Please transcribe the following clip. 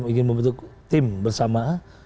ingin membentuk tim bersama